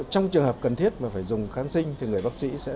trong trường hợp cần thiết mà phải dùng kháng sinh thì người bác sĩ sẽ